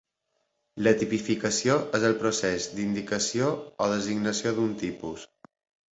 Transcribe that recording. La tipificació és el procés d'indicació o designació d’un tipus.